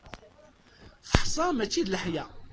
Teḥsa mačči d leḥya.